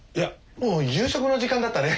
もう夕食の時間だったね。